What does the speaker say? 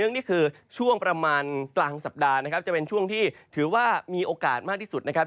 นี่คือช่วงประมาณกลางสัปดาห์นะครับจะเป็นช่วงที่ถือว่ามีโอกาสมากที่สุดนะครับ